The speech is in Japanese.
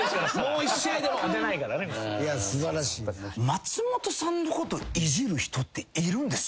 松本さんのこといじる人っているんですか？